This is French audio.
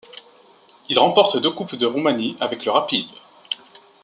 Il remporte deux Coupes de Roumanie avec le Rapid.